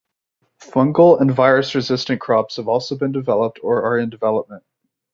Fungal and virus resistant crops have also being developed or are in development.